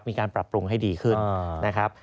มีการปรับปรุงให้ดีขึ้นนะครับ